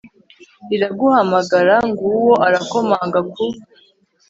riraguhamagara, ng'uwo arakomanga ku